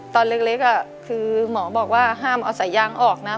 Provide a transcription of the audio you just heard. ตอนเล็กคือหมอบอกว่าห้ามเอาสายยางออกนะ